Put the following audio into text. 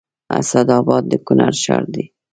اسداباد د کونړ ښار دی